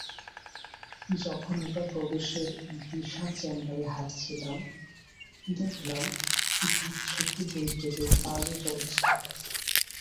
যখন আমরা প্রবেশের বিশাল চেম্বারে হাঁটছিলাম, দেখলাম ঝকঝকে বৈদ্যুতিক আলো জ্বলছে।